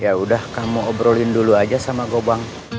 ya udah kamu obrolin dulu aja sama gue bang